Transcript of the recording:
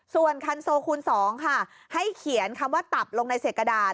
ส่วนคันโซคูณ๒ค่ะให้เขียนคำว่าตับลงในเศษกระดาษ